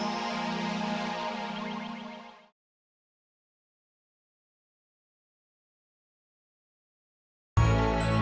apakah pilihan afif sudah bener atau enggak